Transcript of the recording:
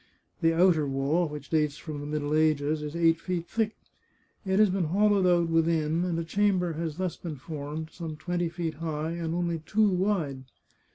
The outer wall, which dates from the middle ages, is eight feet thick. It has been hollowed out within, and a chamber has been thus formed, some twenty feet high, and only two wide.